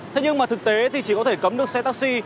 thế nhưng mà thực tế thì chỉ có thể cấm được xe taxi